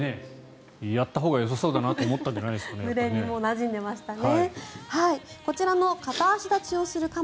やったほうがよさそうだなと思ったんじゃないですか。